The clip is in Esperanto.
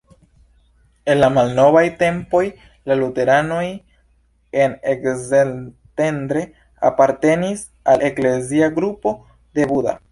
En la malnovaj tempoj la luteranoj en Szentendre apartenis al eklezia grupo de Buda.